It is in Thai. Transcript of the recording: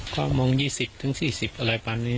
ก็มอง๒๐ถึง๔๐อะไรประมาณนี้